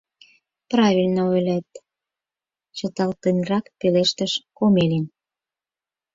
— Правильно ойлет, — чыталтенрак пелештыш Комелин.